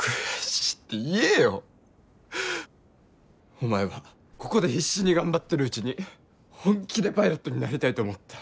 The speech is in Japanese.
お前はここで必死に頑張ってるうちに本気でパイロットになりたいと思った。